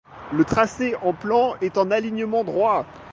Le tracé en plan est en alignement droit.